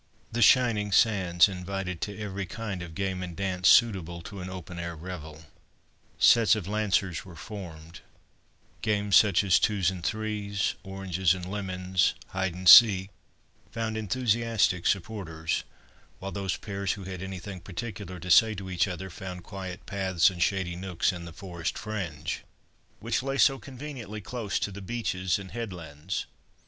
The shining sands invited to every kind of game and dance suitable to an open air revel. Sets of lancers were formed; games such as "twos and threes," "oranges and lemons," "hide and seek," found enthusiastic supporters, while those pairs who had anything particular to say to each other found quiet paths and shady nooks in the forest fringe, which lay so conveniently close to the beaches and headlands.